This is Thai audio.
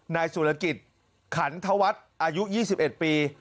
นายสุรกิจขันธวัฒน์อายุ๒๑ปี